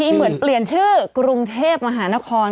เหมือนเปลี่ยนชื่อกรุงเทพมหานคร